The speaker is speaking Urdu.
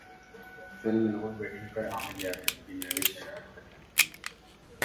فلم لوڈ ویڈنگ پر عامر لیاقت کی مہوش حیات پر تنقید